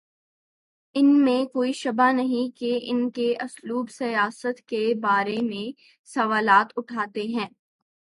اس میں کوئی شبہ نہیں کہ ان کے اسلوب سیاست کے بارے میں سوالات اٹھتے رہے ہیں۔